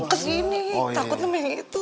kesini takut memang itu